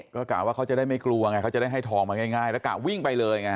ก็กะว่าเขาจะได้ไม่กลัวไงเขาจะได้ให้ทองมาง่ายแล้วกะวิ่งไปเลยไง